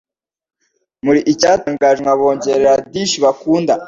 Muri Icyatangajwe nkabongereza Dish bakunda